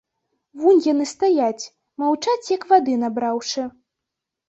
Вунь яны стаяць, маўчаць як вады набраўшы.